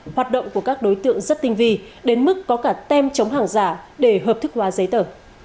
hoạt động của các đối tượng rất tinh vi đến mức có cả tem chống hàng giả để hợp thức hóa giấy tờ